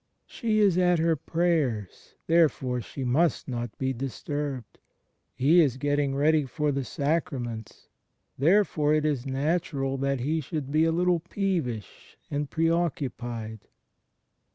" She is at her prayers, therefore she must not be disturbed. He is getting ready for the sacraments; therefore it is natural tJiat he should be a little peevish and pre occupied.".